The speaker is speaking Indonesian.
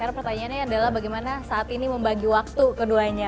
karena pertanyaannya adalah bagaimana saat ini membagi waktu keduanya